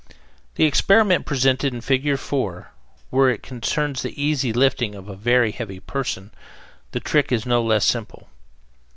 The experiment represented in Fig. 4, where it concerns the easy lifting of a very heavy person, the trick is no less simple.